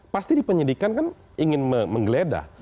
pasti di penyidikan kan ingin menggeledah